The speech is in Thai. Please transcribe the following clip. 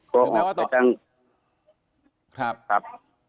ก็ออกไปตั้งครับครับ